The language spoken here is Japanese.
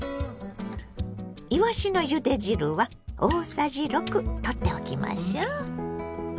いわしのゆで汁は大さじ６とっておきましょう。